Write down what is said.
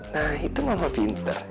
nah itu mama pinter